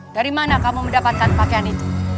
dari mana kamu mendapatkan pakaian itu